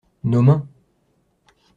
Nos mains.